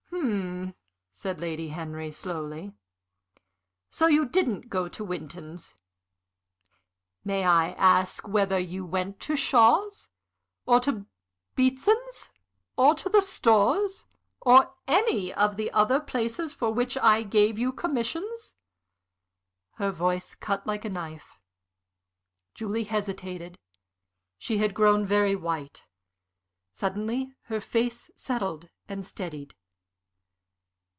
"Hm," said Lady Henry, slowly. "So you didn't go to Winton's. May I ask whether you went to Shaw's, or to Beatson's, or the Stores, or any of the other places for which I gave you commissions?" Her voice cut like a knife. Julie hesitated. She had grown very white. Suddenly her face settled and steadied.